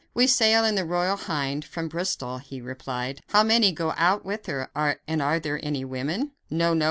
"We sail in the Royal Hind, from Bristol," he replied. "How many go out in her; and are there any women?" "No! no!"